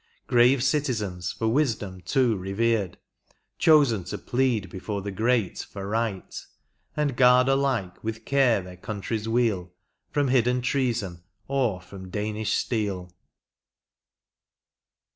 Grave citizens for wisdom, too, revered. Chosen to plead before the great for right. And guard alike with care their country's weal From hidden treason, or from Danish steel.